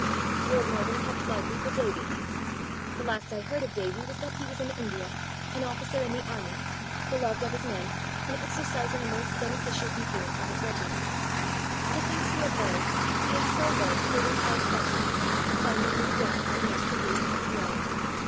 Lord Morven kept Larkie for Davie. The last I heard of Davie was that he was in India, an officer in the army, beloved of his men, and exercising a most beneficial influence on his regiment. The things he had learned he had so learned that they went out from him, finding new ground in which to root and grow.